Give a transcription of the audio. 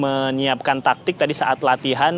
menyiapkan taktik tadi saat latihan